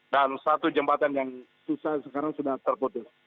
dan satu jembatan yang susah sekarang sudah terputus